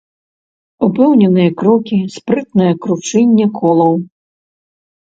Упэўненыя крокі, спрытнае кручэнне колаў.